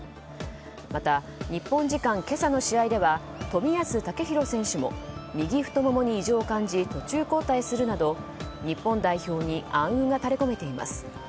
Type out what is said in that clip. また、日本時間今朝の試合では冨安健洋選手も右太ももに異常を感じ途中交代するなど日本代表に暗雲が垂れ込めています。